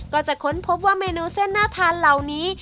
ก็จะค้นพบว่าเมนูเส้นน่าทานเหล่านี้